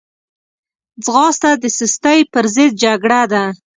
ځغاسته د سستي پر ضد جګړه ده